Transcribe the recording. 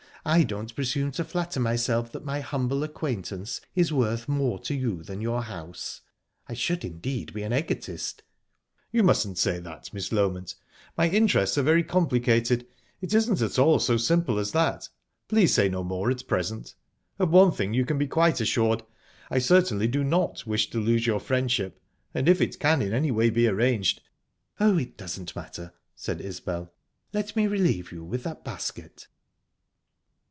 I don't presume to flatter myself that my humble acquaintance is worth more to you than your house. I should indeed be an egotist." "You mustn't say that, Miss Loment. My interests are very complicated; it isn't at all so simple as that. Please say no more at present...Of one thing you can be quite assured I certainly do not wish to lose your friendship, and if it can in any way be arranged..." "Oh, it doesn't matter," said Isbel..."Let me relieve you with that basket."